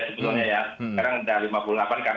sekarang sudah lima puluh delapan